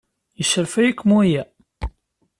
Yesserfay-ikem waya?